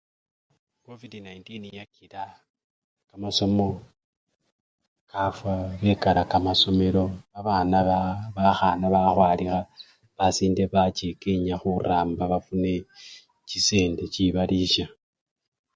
Covidi-19 yakila kamasomo kafwa bekala kamasomelo abana baa! bakhana bakhwalikha, basinde bacha ekenya khuramba bafune chisende chibalisya.